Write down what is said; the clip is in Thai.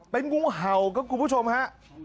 เป็นงูเห่าครับคุณผู้ชมฮะ